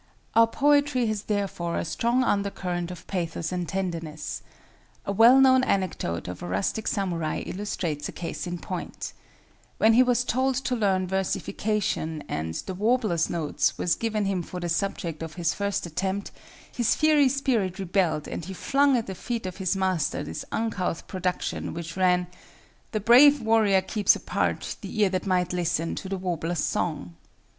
Our poetry has therefore a strong undercurrent of pathos and tenderness. A well known anecdote of a rustic samurai illustrates a case in point. When he was told to learn versification, and "The Warbler's Notes" was given him for the subject of his first attempt, his fiery spirit rebelled and he flung at the feet of his master this uncouth production, which ran [Footnote 10: The uguisu or warbler, sometimes called the nightingale of Japan.] "The brave warrior keeps apart The ear that might listen To the warbler's song."